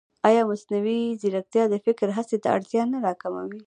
ایا مصنوعي ځیرکتیا د فکري هڅې اړتیا نه راکموي؟